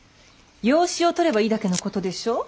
養子を取ればいいだけのことでしょう。